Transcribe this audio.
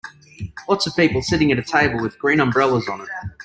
Lots of people sitting at a table with green umbrellas on it.